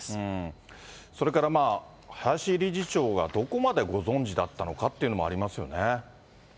それから、林理事長がどこまでご存じだったのかっていうのもありますよね。